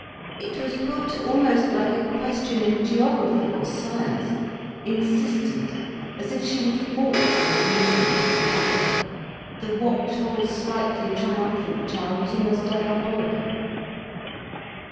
It was put almost like a question in geography or science, insistent, as if she would force an admission from the adult. The watchful, slightly triumphant child was almost diabolical.